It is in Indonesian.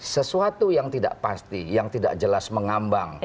sesuatu yang tidak pasti yang tidak jelas mengambang